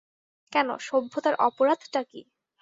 কেন, সভ্যতার অপরাধটা কী।